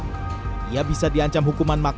hingga menyebabkan hilangnya nyawa seseorang